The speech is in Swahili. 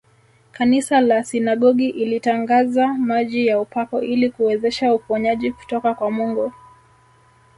Kanisa la sinagogi ilitangaza maji ya upako ili kuwezesha uponyaji kutoka kwa Mungu